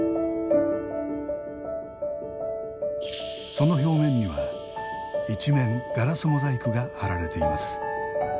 その表面には一面ガラスモザイクが貼られています。